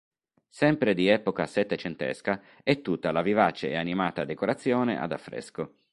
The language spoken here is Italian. Sempre di epoca settecentesca è tutta la vivace e animata decorazione ad affresco.